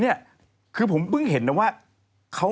เนี่ยคือผมเพิ่งเห็นนะว่า